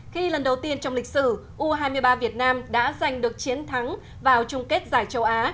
khi lần đầu tiên trong lịch sử u hai mươi ba việt nam đã giành được chiến thắng vào chung kết giải châu á